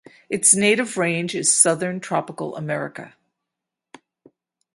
Its native range is southern Tropical America.